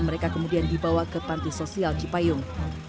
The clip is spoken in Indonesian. mereka kemudian dibawa ke panti sosial cipayung